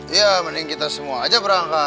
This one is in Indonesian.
iya mending kita semua aja berangkat